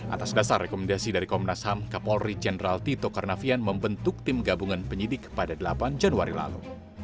atas dasar rekomendasi dari komnas ham kapolri jenderal tito karnavian membentuk tim gabungan penyidik pada delapan januari lalu